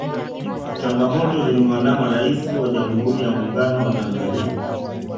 changamoto zilimuandama raisi wa jamuhuri ya muungano wa tanzania